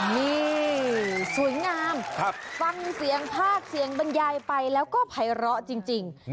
นี่สวยงามฟังเสียงภาคเสียงบรรยายไปแล้วก็ภัยร้อจริง